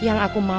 rih apa kau mau